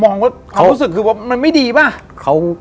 ผมมองเขาคิดว่ามันไม่ดีป่ะ